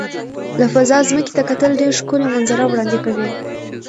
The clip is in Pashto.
له فضا ځمکې ته کتل ډېر ښکلي منظره وړاندې کوي.